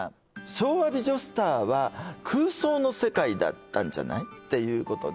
昭和美女スターは空想の世界だったんじゃない？っていうことね